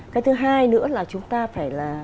cái thứ hai nữa là chúng ta phải